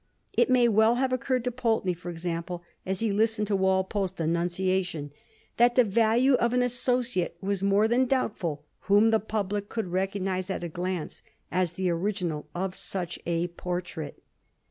It may well have occurred to Pulteney, for example, as he listened to Walpole's denunciation, that the value of an associate was more than doubtful whom the public could recognize at a glance as the original of such a por trait.